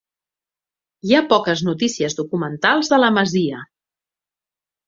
Hi ha poques notícies documentals de la masia.